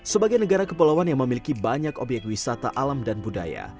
sebagai negara kepulauan yang memiliki banyak obyek wisata alam dan budaya